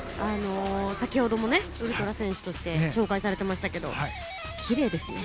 先ほどもウルトラ選手として紹介されていましたけどきれいですね。